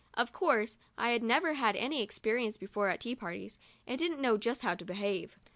Of course, I had never had any experience before at tea parties, and didn't know just how to behave.